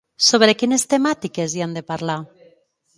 Sobre quines temàtiques hi han de parlar?